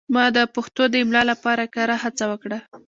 ما د پښتو د املا لپاره کره هڅه وکړه.